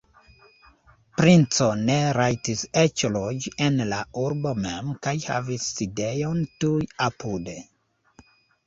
Princo ne rajtis eĉ loĝi en la urbo mem kaj havis sidejon tuj apude.